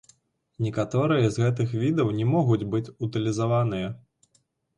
Некаторыя з гэтых відаў не могуць быць утылізаваныя.